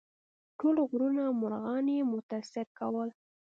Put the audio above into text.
ټول غرونه او مرغان یې متاثر کول.